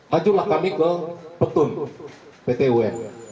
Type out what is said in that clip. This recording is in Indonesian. hancurlah kami ke petun pt un